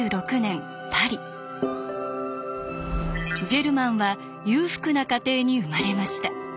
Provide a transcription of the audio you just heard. ジェルマンは裕福な家庭に生まれました。